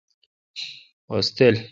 اوس تل۔